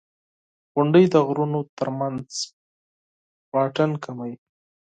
• غونډۍ د غرونو ترمنځ فاصله کموي.